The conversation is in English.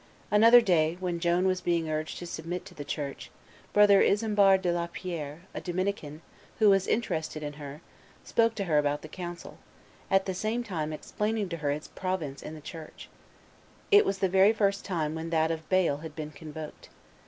Another day, when Joan was being urged to submit to the Church, brother Isambard de la Pierre, a Dominican, who was interested in her, spoke to her about the council, at the same time explaining to her its province in the church. It was the very time when that of Bale had been convoked.